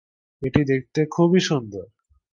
এটি দেখতে খুবই সুন্দর।